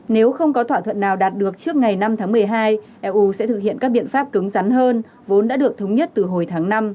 nếu không có thỏa thuận nào đạt được trước ngày năm tháng một mươi hai eu sẽ thực hiện các biện pháp cứng rắn hơn vốn đã được thống nhất từ hồi tháng năm